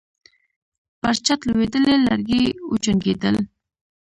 پر چت لوېدلي لرګي وچونګېدل.